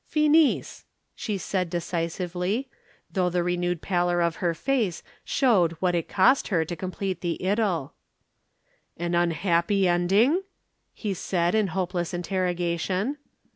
"Finis," she said decisively, though the renewed pallor of her face showed what it cost her to complete the idyl. "An unhappy ending?" he said in hopeless interrogation.